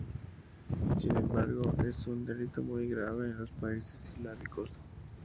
Sin embargo es un delito muy grave en los países islámicos.